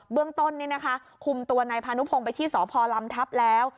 เบื้องต้นนี่นะคะคุมตัวในพาณุพงษ์ไปที่สพลำทัพแล้ว